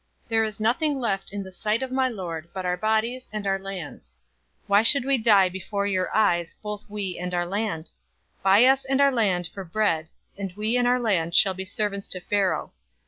There is nothing left in the sight of my lord, but our bodies, and our lands. 047:019 Why should we die before your eyes, both we and our land? Buy us and our land for bread, and we and our land will be servants to Pharaoh.